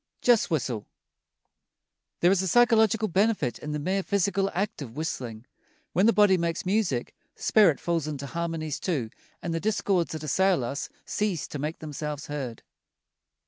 JUST WHISTLE There is a psychological benefit in the mere physical act of whistling. When the body makes music, the spirit falls into harmonies too and the discords that assail us cease to make themselves heard.